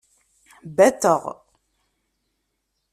Bateɣ.